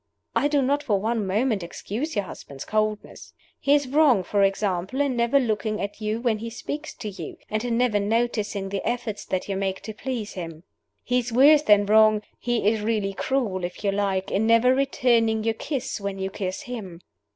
I do not for one moment excuse your husband's coldness. He is wrong, for example, in never looking at you when he speaks to you, and in never noticing the efforts that you make to please him. He is worse than wrong he is really cruel, if you like in never returning your kiss when you kiss him.